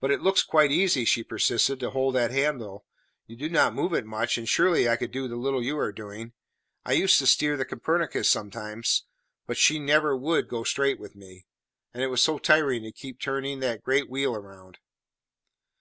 "But it looks quite easy," she persisted, "to hold that handle. You do not move it much, and surely I could do the little you are doing. I used to steer the Copernicus sometimes, but she never would go straight with me; and it was so tiring to keep turning that great wheel round."